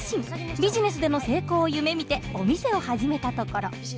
ビジネスでの成功を夢みてお店を始めたところ。